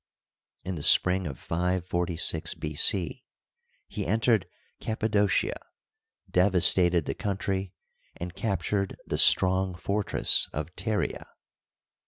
In the spring of 546 B. C. he entered Cappadocia, devastated the country, and captured the strong fortress of Pteria.